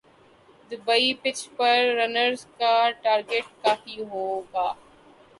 Dubai pitch پر runs کا target کافی ہو گا ٹرینٹ بولٹ